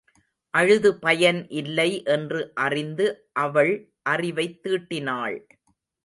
அழுது பயன் இல்லை என்று அறிந்து அவள் அறிவைத் தீட்டினாள்.